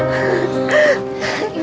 ada di sini bu